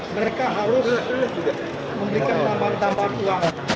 mereka harus memberikan tambahan tambahan uang